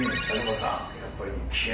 やっぱりね